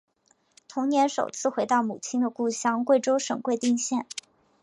同年首次回到母亲的故乡贵州省贵定县。